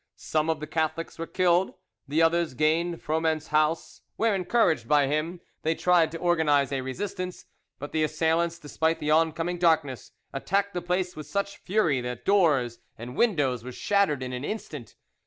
Some of the Catholics were killed, the others gained Froment's house, where, encouraged by him, they tried to organise a resistance; but the assailants, despite the oncoming darkness, attacked the place with such fury that doors and windows were shattered in an instant.